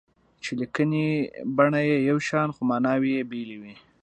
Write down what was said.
چې لیکني بڼه یې یو شان خو ماناوې یې بېلې وي.